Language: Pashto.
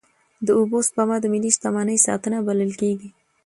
د اوبو سپما د ملي شتمنۍ ساتنه بلل کېږي.